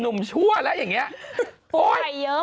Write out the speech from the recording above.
ชั่วแล้วอย่างนี้